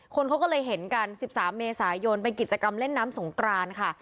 คนเขาก็เลยเห็นกัน๑๓เมษายนเป็นกิจกรรมเล่นน้ำสงกรานค่ะ